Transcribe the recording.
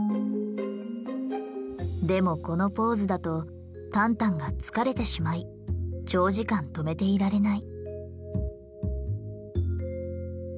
でもこのポーズだとタンタンが疲れてしまい長時間止めていられない。